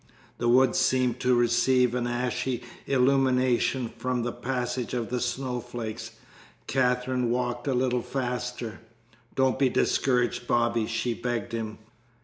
The woods seemed to receive an ashy illumination from the passage of the snowflakes. Katherine walked a little faster. "Don't be discouraged, Bobby," she begged him.